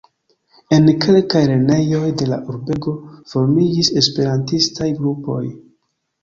En kelkaj lernejoj de la urbego formiĝis Esperantistaj grupoj.